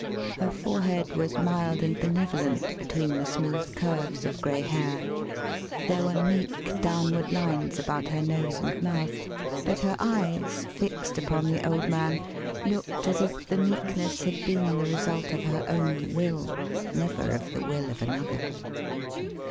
Her forehead was mild and benevolent between the smooth curves of gray hair; there were meek downward lines about her nose and mouth; but her eyes, fixed upon the old man, looked as if the meekness had been the result of her own will, never of the will of another.